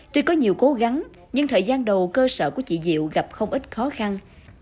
tuy có nhiều cố gắng nhưng thời gian đầu cơ sở của chị diệu gặp không ít khó khăn